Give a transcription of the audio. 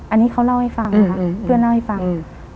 อันนี้เขาเล่าให้ฟังค่ะเพื่อนเล่าให้ฟัง